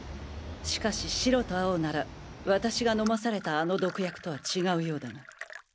しかし白と青なら私が飲まされたあの毒薬とは違うようだが。